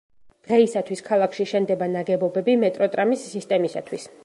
დღეისათვის ქალაქში შენდება ნაგებობები მეტროტრამის სისტემისათვის.